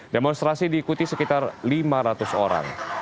demonstrasi diikuti sekitar lima ratus orang